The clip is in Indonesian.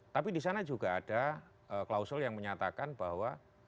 tapi disana juga ada klausul yang menyatakan bahwa